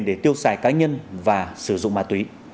để tiêu xài cá nhân và sử dụng ma túy